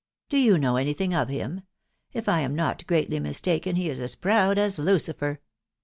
" Do you know any thing of him ?.... If I am not greatly mistaken, he is as proud as Lucifer."